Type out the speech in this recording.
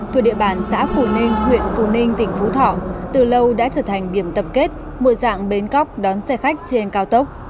cả phủ ninh huyện phủ ninh tỉnh phú thỏ từ lâu đã trở thành điểm tập kết một dạng bến cóc đón xe khách trên cao tốc